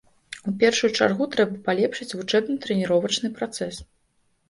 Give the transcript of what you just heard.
У першую чаргу, трэба палепшыць вучэбна-трэніровачны працэс.